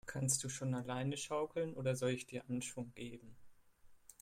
Kannst du schon alleine schaukeln, oder soll ich dir Anschwung geben?